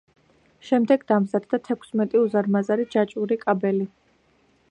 შემდეგ დამზადდა თექვსმეტი უზარმაზარი ჯაჭვური კაბელი.